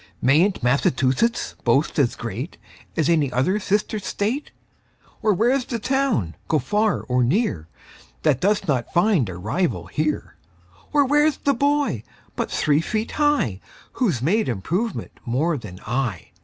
Mayn't Massachusetts boast as great As any other sister state? Or where's the town, go far or near, That does not find a rival here? Or where's the boy but three feet high Who's made improvement more than I?